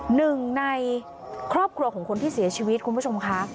หนึ่งในครอบครัวของคนที่เสียชีวิตคุณผู้ชมค่ะ